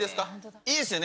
いいですよね。